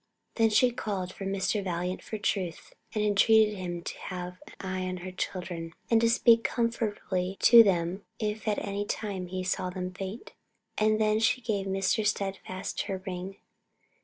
Then she called for Mr. Valiant for truth, and entreated him to have an eye on her children, and to speak comfortably to them if at any time he saw them faint. And then she gave Mr. Standfast her ring.